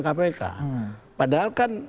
kpk padahal kan